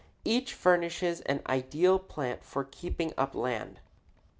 Each furnishes an ideal plan for keeping up land.